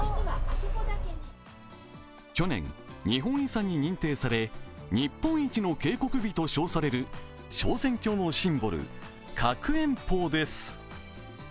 去年、日本遺産に認定され日本一の渓谷美と称される昇仙峡のシンボル、覚円峰です。